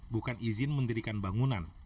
bukan izin mendirikan bangunan